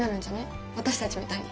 私たちみたいに。